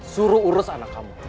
suruh urus anak kamu